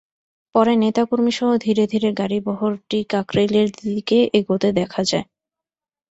পরে নেতা কর্মীসহ ধীরে ধীরে গাড়িবহরটি কাকরাইলের দিতে এগোতে দেখা যায়।